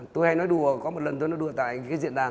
tôi hay nói đùa có một lần tôi nói đùa tại cái diện đàn